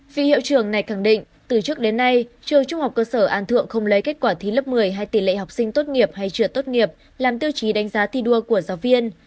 vị hiệu trường này khẳng định từ trước đến nay trường trung học cơ sở an thượng không lấy kết quả thi lớp một mươi hay tỷ lệ học sinh tốt nghiệp hay trượt tốt nghiệp làm tiêu chí đánh giá thi đua của giáo viên